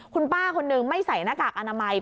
คุณป้าคนนึงไม่ใส่หน้ากากอนามัย